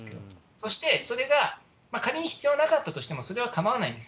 そして、それが仮に必要なかったとしてもそれはかまわないんです。